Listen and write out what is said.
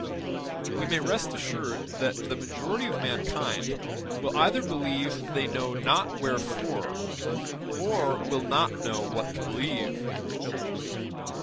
We may rest assured that the majority of mankind will either believe they know not wherefore, or will not know what to believe.